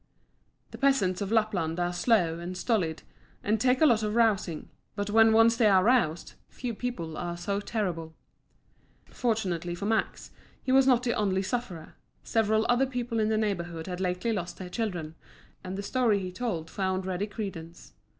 The peasants of Lapland are slow and stolid and take a lot of rousing, but when once they are roused, few people are so terrible. Fortunately for Max, he was not the only sufferer; several other people in the neighbourhood had lately lost their children, and the story he told found ready credence.